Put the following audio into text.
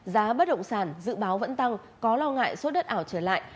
giá bất động sản dự báo vẫn tăng có lo ngại suất đất ảo trở lại